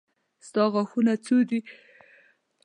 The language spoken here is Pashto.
ستا غاښونه څو دي.